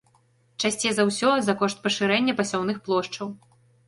Часцей за ўсё, за кошт пашырэння пасяўных плошчаў.